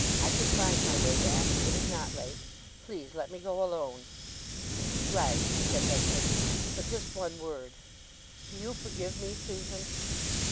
"I can find my way back—it is not late. Please let me go alone." "Right," said Henchard. "But just one word. Do you forgive me, Susan?"